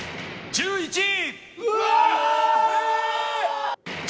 １１位。